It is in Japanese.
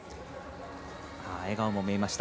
笑顔も見えました。